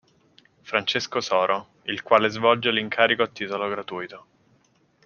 Francesco Soro, il quale svolge l'incarico a titolo gratuito.